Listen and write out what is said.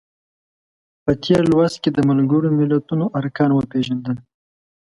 په تېر لوست کې د ملګرو ملتونو ارکان وپیژندل.